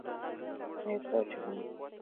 آیا پوهېږئ چې خندا د وینې جریان تېزوي؟